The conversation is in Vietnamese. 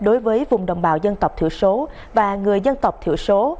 đối với vùng đồng bào dân tộc thiểu số và người dân tộc thiểu số